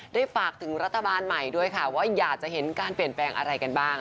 ได้ฝากถึงรัฐบาลใหม่ด้วยค่ะว่าอยากจะเห็นการเปลี่ยนแปลงอะไรกันบ้าง